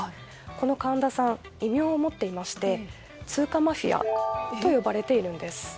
この神田さん異名を持っていまして通貨マフィアと呼ばれているんです。